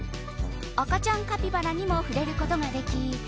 赤ちゃんカピバラにも触れることができ